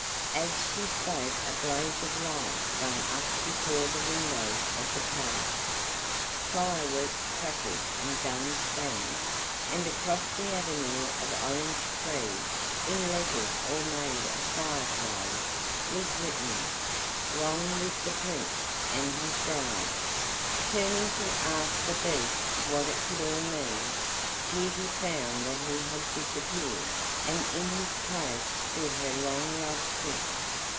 As she spoke a blaze of light sprang up before the windows of the palace; fireworks crackled and guns banged, and across the avenue of orange trees, in letters all made of fire flies, was written: "Long live the Prince and his Bride." Turning to ask the Beast what it could all mean, Beauty found that he had disappeared, and in his place stood her long loved Prince!